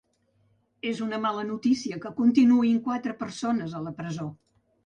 És una mala notícia que continuïn quatre persones a la presó.